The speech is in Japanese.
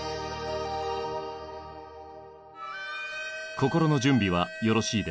心の準備はよろしいですか？